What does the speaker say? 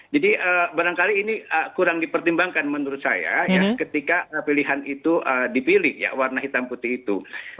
jadi barangkali ini kurang dipertimbangkan menurut saya ketika pilihan itu dipilih warna hitam putih itu